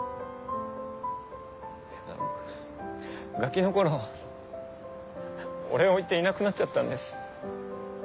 ガキの頃俺を置いていなくなっちゃったんです。